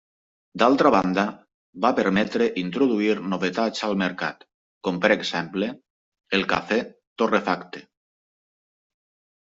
D'altra banda, va permetre introduir novetats al mercat, com per exemple el cafè torrefacte.